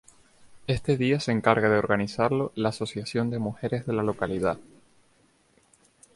Este día se encarga de organizarlo la Asociación de Mujeres de la localidad.